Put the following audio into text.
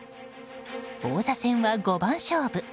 王座戦は五番勝負。